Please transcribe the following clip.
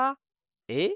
えっ？